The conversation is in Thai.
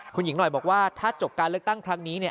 คุณหญิงหน่อยบอกว่าถ้าจบการเลือกตั้งครั้งนี้เนี่ย